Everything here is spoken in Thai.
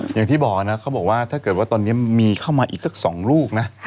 อย่างที่บอกนะเขาบอกว่าถ้าเกิดว่าตอนนี้มีเข้ามาอีกสัก๒ลูกนะ